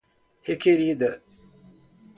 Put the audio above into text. Requerida